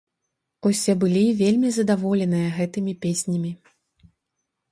Усе былі вельмі задаволеныя гэтымі песнямі.